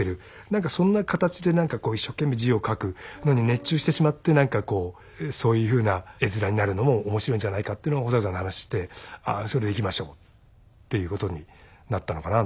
何かそんな形で何かこう一生懸命字を書くのに熱中してしまって何かこうそういうふうな絵面になるのも面白いんじゃないかというのを保坂さんと話してそれでいきましょうっていうことになったのかな